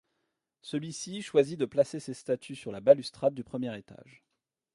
Celui-ci choisit de placer ces statues sur la balustrade du premier étage.